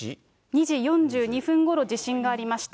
２時４２分ごろ、地震がありました。